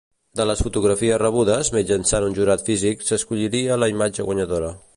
De les fotografies rebudes, mitjançant un jurat físic, s'escolliria la imatge guanyadora.